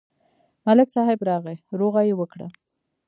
ملک صاحب راغی، روغه یې وکړه.